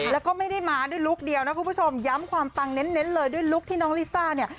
แล้วก็ไม่ได้มาด้วยลุคเดียวนะคุณผู้ชมย้ำความปังเน้นเลยด้วยลุคที่น้องลิซ่าเนี่ย